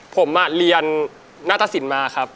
ผมเรียนหน้าตสินมาครับ